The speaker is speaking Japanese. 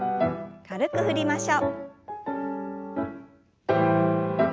軽く振りましょう。